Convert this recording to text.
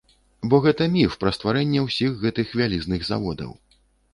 Бо гэта міф пра стварэнне ўсіх гэтых вялізных заводаў.